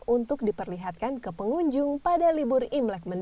untuk diperlihatkan ke pengunjung pada libur imlek